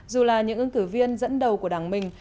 dù là những ứng cử viên dẫn đầu của đảng mình